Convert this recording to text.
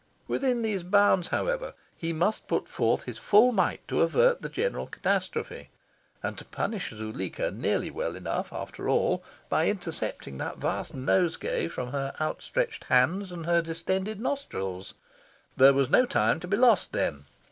Within these bounds, however, he must put forth his full might to avert the general catastrophe and to punish Zuleika nearly well enough, after all, by intercepting that vast nosegay from her outstretched hands and her distended nostrils. There was no time to be lost, then.